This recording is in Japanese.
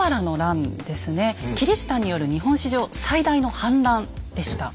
キリシタンによる日本史上最大の反乱でした。